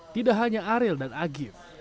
tidak hanya ariel dan agif